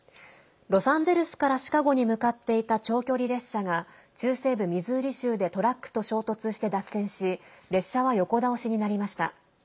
ロサンゼルスからシカゴに向かっていた長距離列車が中西部ミズーリ州でトラックと衝突して脱線し列車は横倒しになりました。